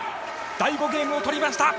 第５ゲームをとりました！